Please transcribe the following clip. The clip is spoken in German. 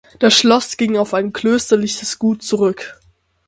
Das Schloss ging auf ein klösterliches Gut zurück.